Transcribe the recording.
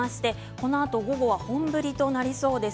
このあと午後は本降りとなりそうです。